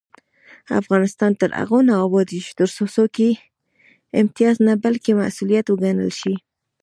افغانستان تر هغو نه ابادیږي، ترڅو څوکۍ امتیاز نه بلکې مسؤلیت وګڼل شي.